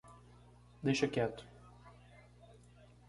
Deixa quieto.